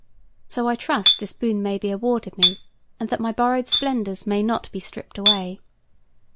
So I trust this boon may be awarded me, and that my borrowed splendors may not be stripped away.